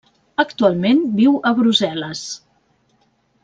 Actualment, viu a Brussel·les.